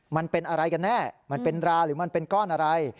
มันเป็นอะไรกันแน่มันเป็นราหรือมันเป็นก้อนอะไร